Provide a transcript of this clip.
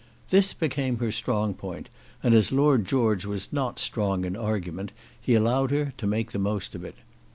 This became her strong point, and as Lord George was not strong in argument, he allowed her to make the most of it.